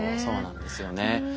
そうなんですよね。